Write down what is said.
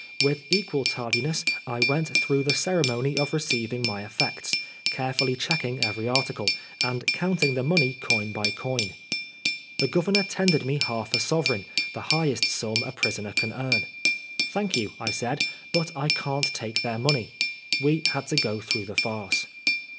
With equal tardiness I went through the ceremony of receiving my effects, carefully check ing every article, and counting the money coin by coin. The Governor tendered me half a sovereign, the highest sum a prisoner can earn. "Thank you," I said, " but I can't take their money." We had to go through the farce.